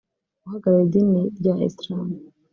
uhagarariye idini rya Islam